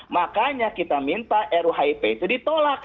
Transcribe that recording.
makanya kita minta ruhip itu ditolak